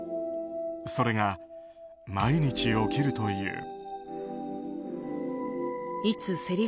それが毎日、起きるという。